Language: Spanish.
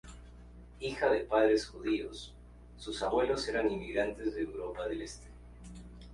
Hija de padres judíos; sus abuelos eran inmigrantes de Europa del Este.